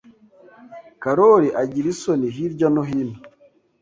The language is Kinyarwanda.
Karoli agira isoni hirya no hino.